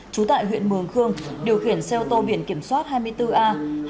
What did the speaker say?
chú tại huyện mường khương điều khiển xe ô tô biển kiểm soát hai mươi bốn a hai mươi một nghìn bốn trăm một mươi chín